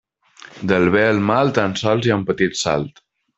Del bé al mal tan sols hi ha un petit salt.